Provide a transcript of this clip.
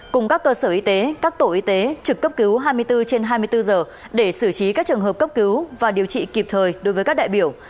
cùng các cơ sở y tế các tổ y tế trực cấp cứu hai mươi bốn trên hai mươi bốn giờ để xử trí các trường hợp cấp cứu và điều trị kịp thời đối với các đại biểu